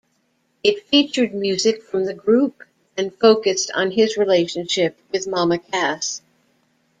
It featured music from the group and focused on his relationship with Mama Cass.